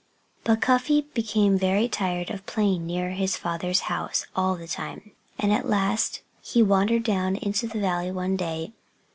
But Cuffy became very tired of playing near his father's house all the time. And at last he wandered down into the valley one day.